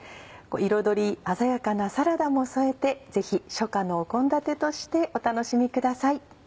彩り鮮やかなサラダも添えてぜひ初夏の献立としてお楽しみください。